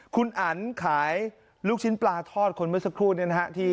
คุณอันขายลูกชิ้นปลาทอดคนเมื่อสักครู่เนี่ยนะฮะ